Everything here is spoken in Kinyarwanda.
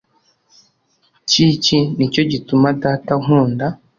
k Iki ni cyo gituma Data ankunda